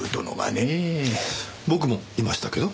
僕もいましたけど。